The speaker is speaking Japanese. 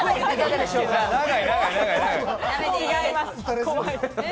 違います。